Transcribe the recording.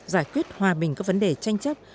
giải quyết hòa bình các vấn đề tranh chấp